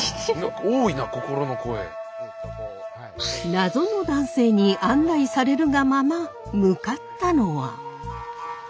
謎の男性に案内されるがまま向かったのは。